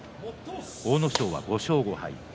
阿武咲は５勝５敗です。